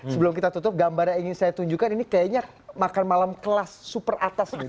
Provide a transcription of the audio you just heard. sebelum kita tutup gambar yang ingin saya tunjukkan ini kayaknya makan malam kelas super atas